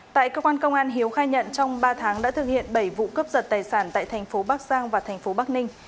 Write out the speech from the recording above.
tại cơ quan công an hiếu khai nhận trong ba tháng đã thực hiện bảy vụ cướp giật tài sản tại tp bắc giang và tp bắc ninh